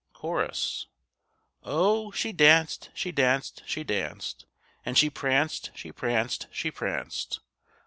Chorus.—Oh! she danced, she danced, she danced, And she pranced, she pranced, she pranced.